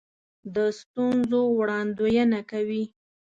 د ستونزو وړاندوینه کوي.